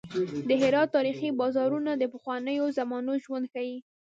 د هرات تاریخي بازارونه د پخوانیو زمانو ژوند ښيي.